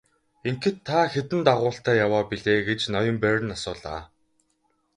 Ингэхэд та хэдэн дагуултай яваа билээ гэж ноён Берн асуулаа.